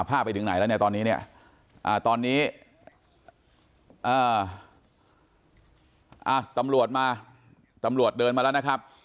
ไปถึงไหนแล้วเนี่ยตอนนี้เนี่ยตอนนี้ตำรวจมาตำรวจเดินมาแล้วนะครับ